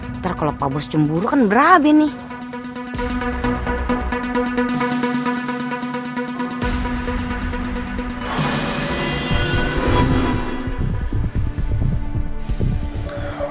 ntar kalau pak bos cemburu kan berabe nih